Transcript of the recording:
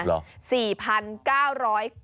หรอ